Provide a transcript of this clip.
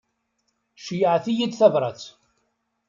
Ceyyɛet-iyi-d tabrat.